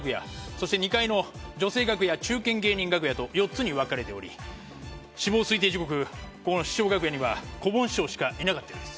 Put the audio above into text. そして２階の女性楽屋中堅芸人楽屋と４つに分かれており死亡推定時刻ここの師匠楽屋にはこぼん師匠しかいなかったようです。